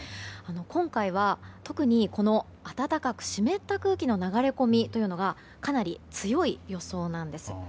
今回は特にこの暖かく湿った空気の流れ込みというのがかなり強い予想なんです。